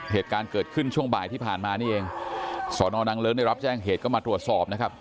เหตุการณ์เกิดขึ้นช่วงบ่ายที่ผ่านมานี่เองสอนอนางเลิ้งได้รับแจ้งเหตุก็มาตรวจสอบนะครับ